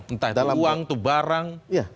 entah itu uang itu barang